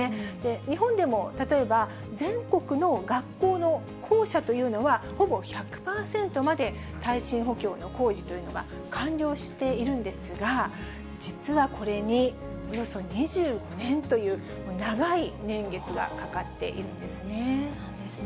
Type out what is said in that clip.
日本でも、例えば全国の学校の校舎というのは、ほぼ１００％まで、耐震補強の工事というのが完了しているんですが、実はこれに、およそ２５年という、長い年月がかかっているんですね。